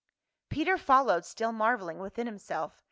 Peter followed, still marveling within himself.